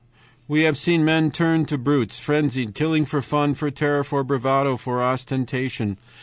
"We have seen men turned to brutes, frenzied, killing for fun, for terror, for bravado, for ostentation.